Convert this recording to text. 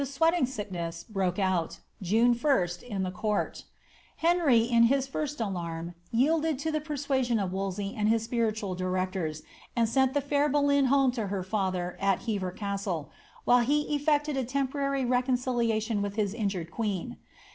b wealing sickness broke out, June IsU in the court Henry, in his first alarm, yielded to the persuasion of Wolsey and Iiis spiritual directors^ and sent the fair Boleyn home to her father at Hever Castle, while he eflected a temporary reconciliation with his injured queen.